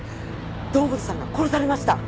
堂本さんが殺されました！